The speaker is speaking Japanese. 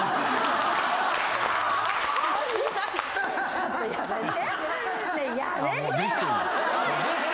ちょっとやめて。